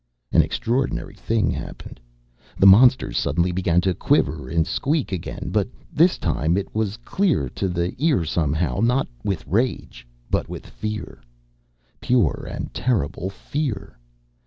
An extraordinary thing happened. The monsters suddenly began to quiver and squeak again but this time it was clear to the ear somehow not with rage, but with fear. Pure and terrible fear.